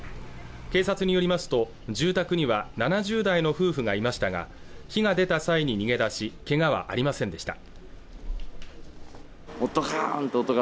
警察によりますと住宅には７０代の夫婦がいましたが火が出た際に逃げ出しけがはありませんでした